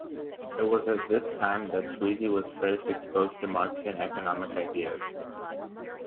It was at this time that Sweezy was first exposed to Marxian economic ideas.